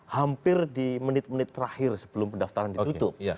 hampir di menit menit terakhir sebelum pendaftaran ditutup